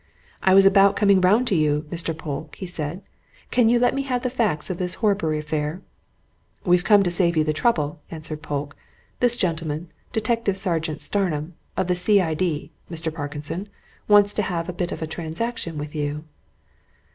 "I was about coming round to you, Mr. Polke," he said. "Can you let me have the facts of this Horbury affair?" "We've come to save you the trouble," answered Polke. "This gentleman Detective Sergeant Starmidge, of the C.I.D., Mr. Parkinson wants to have a bit of a transaction with you."